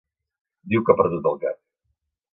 Diu que ha perdut el cap.